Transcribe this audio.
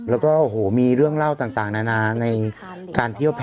และก็โหนมีเรื่องเล่าต่างนานานาในกานที่